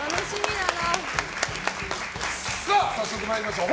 早速参りましょう。